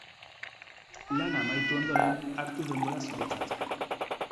Lana amaitu ondoren, hartu denbora zuretzat.